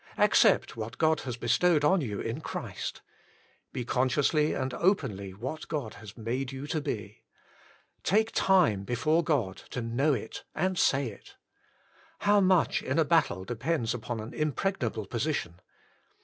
Ac cept what God has bestowed on you in Christ. Be consciously and openly what God has made you to be. Take time before God to know it and say it. How much in a battle depends upon an im pregnable position.